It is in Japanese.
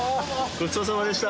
ごちそうさまでした。